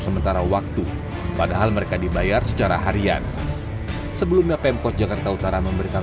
sementara waktu padahal mereka dibayar secara harian sebelumnya pemkot jakarta utara memberikan